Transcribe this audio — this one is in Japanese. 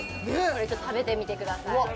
それ食べてみてください